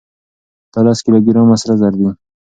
دا لس کيلو ګرامه سره زر دي.